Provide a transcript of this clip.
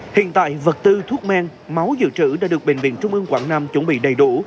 hiện tại vật tư thuốc men máu dự trữ đã được bệnh viện trung ương quảng nam chuẩn bị đầy đủ